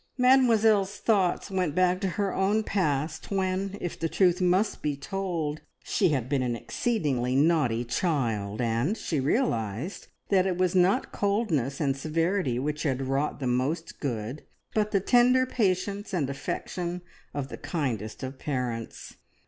Mademoiselle's thoughts went back to her own past, when, if the truth must be told, she had been an exceedingly naughty child; and she realised that it was not coldness and severity which had wrought the most good, but the tender patience and affection of the kindest of parents.